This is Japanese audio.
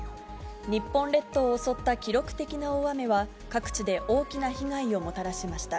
日本列島を襲った記録的な大雨は各地で大きな被害をもたらしました。